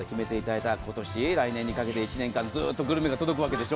今年、来年にかけて１年間ずっとグルメが届くわけでしょ。